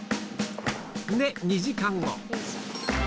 で、２時間後。